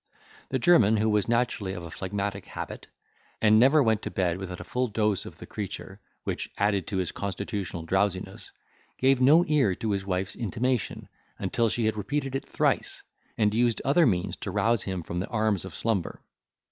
The German, who was naturally of a phlegmatic habit, and never went to bed without a full dose of the creature, which added to his constitutional drowsiness, gave no ear to his wife's intimation, until she had repeated it thrice, and used other means to rouse him from the arms of slumber.